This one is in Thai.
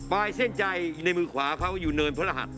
เส้นใจในมือขวาเขาอยู่เนินพระรหัส